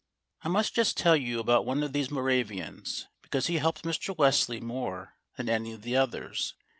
I must just tell you about one of these Moravians, because he helped Mr. Wesley more than any of the others.